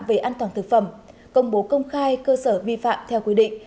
về an toàn thực phẩm công bố công khai cơ sở vi phạm theo quy định